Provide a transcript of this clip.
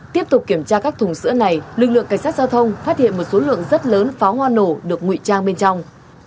tiếp tục kiểm tra các thùng sữa này lực lượng cảnh sát giao thông phát hiện một số lượng rất lớn pháo hoa nổ được nguy trang bên trong